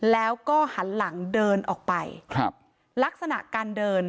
แล้วก็หันหลังเดินออกไปครับลักษณะการเดิน